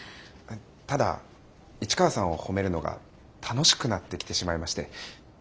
ただ市川さんを褒めるのが楽しくなってきてしまいまして。